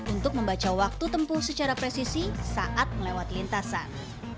untuk membaca waktu tempuh secara presisi saat melewati lintasan